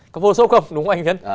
có phô số không đúng không anh yến